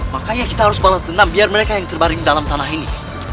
makanya kita harus balas senam biar mereka yang terbaring dalam tanah ini